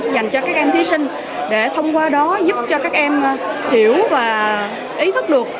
dành cho các em thí sinh để thông qua đó giúp cho các em hiểu và ý thức được